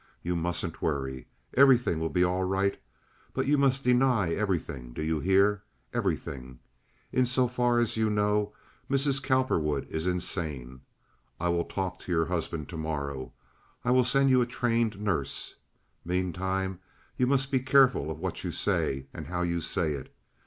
You mustn't worry. Everything will be all right, but you must deny everything, do you hear? Everything! In so far as you know, Mrs. Cowperwood is insane. I will talk to your husband to morrow. I will send you a trained nurse. Meantime you must be careful of what you say and how you say it.